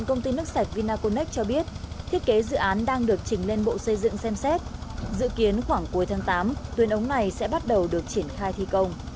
công ty nước sạch vinaconex cũng đã huy động một trăm linh cán bộ công nhân viên cùng bốn máy xúc cọc cừ để khắc phục sự cố